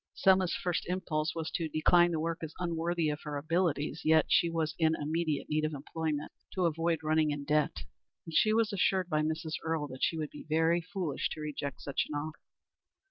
Selma's first impulse was to decline the work as unworthy of her abilities, yet she was in immediate need of employment to avoid running in debt and she was assured by Mrs. Earle that she would be very foolish to reject such an offer.